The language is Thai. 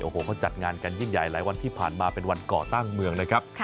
โอ้โหเขาจัดงานกันยิ่งใหญ่หลายวันที่ผ่านมาเป็นวันก่อตั้งเมืองนะครับ